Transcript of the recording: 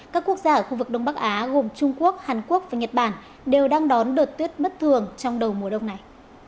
các quốc gia ở khu vực đông bắc á gồm trung quốc hàn quốc và nhật bản đều đang đón đợt tuyết bất thường trong đầu mùa đông này